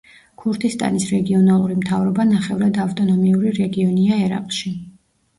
ქურთისტანის რეგიონალური მთავრობა ნახევრად ავტონომიური რეგიონია ერაყში.